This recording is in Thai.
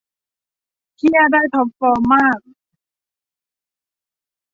เหี้ยได้ท็อปฟอร์มมาก